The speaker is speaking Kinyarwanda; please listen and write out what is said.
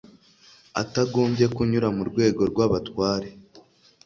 atagombye kunyura mu rwego rw'abatware